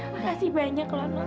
makasih banyak non